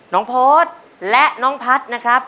น้องโพสต์และน้องพัทรนะครับ